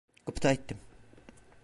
Gıpta ettim.